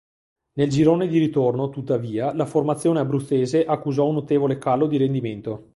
Nel girone di ritorno, tuttavia, la formazione abruzzese accusò un notevole calo di rendimento.